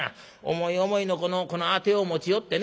思い思いのこのアテを持ち寄ってね